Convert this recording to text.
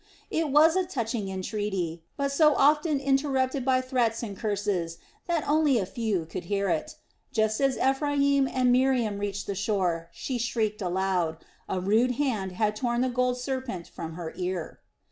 It was a touching entreaty, but so often interrupted by threats and curses that only a few could hear it. Just as Ephraim and Miriam reached the shore she shrieked aloud a rude hand had torn the gold serpent from her ear.